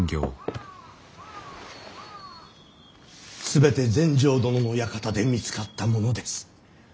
全て全成殿の館で見つかったものです。